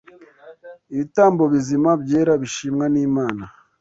ibitambo bizima byera bishimwa n’Imana,